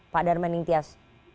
pak darman nintias